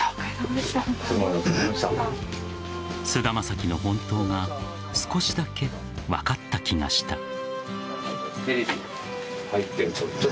菅田将暉の本当が少しだけ分かった気がした。